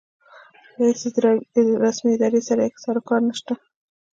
له هېڅ رسمې ادارې سره یې سروکار نشته.